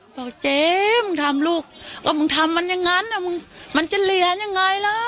บอกเจ๊มึงทำลูกก็มึงทำมันอย่างนั้นมันจะเหลียนยังไงแล้ว